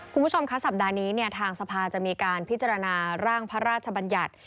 คุณผู้ชมคะสัปดาห์นี้ทางสภาจะมีการพิจารณาร่างพระราชบัญญัติ